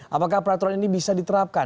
apakah peraturan ini bisa diterapkan